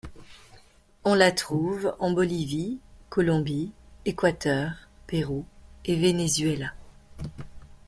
On la trouve en Bolivie, Colombie, Équateur, Pérou et Venezuela.